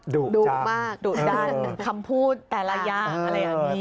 ดุดุมากดุดันคำพูดแต่ละอย่างอะไรอย่างนี้